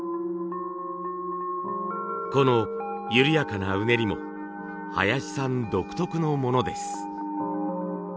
この緩やかなうねりも林さん独特のものです。